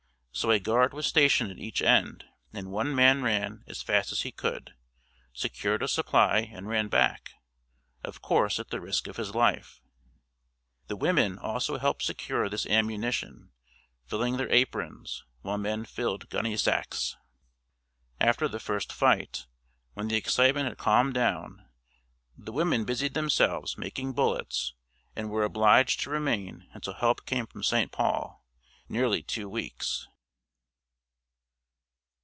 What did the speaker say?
So a guard was stationed at each end, and one man ran as fast as he could, secured a supply and ran back, of course at the risk of his life. The women also helped secure this ammunition, filling their aprons, while men filled gunny sacks. After the first fight, when the excitement had calmed down, the women busied themselves making bullets and were obliged to remain until help came from St. Paul nearly two weeks.